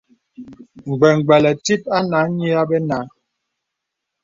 Gbə̀gbə̀lə̀ tìt ànə a nyì abə nà.